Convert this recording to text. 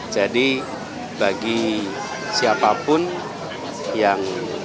jadi bagi siapapun yang